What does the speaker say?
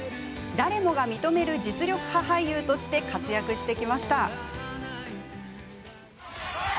誰もが認める実力派俳優として活躍してきました。